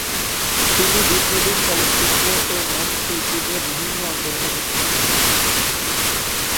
তিনি দীর্ঘদিন চলচ্চিত্র ও মঞ্চ শিল্পীদের বিভিন্ন আন্দোলনে যুক্ত ছিলেন।